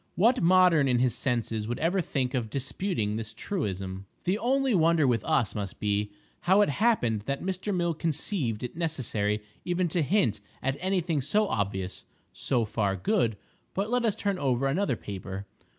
What modern in his senses would ever think of disputing this truism? The only wonder with us must be, how it happened that Mr. Mill conceived it necessary even to hint at any thing so obvious. So far good—but let us turn over another paper.